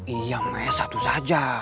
iya akemen satu saja